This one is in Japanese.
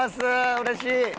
うれしい！